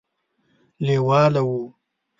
لېواله وو.